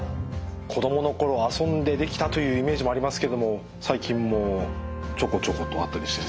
子供の頃遊んでできたというイメージもありますけども最近もちょこちょことあったりしてですね。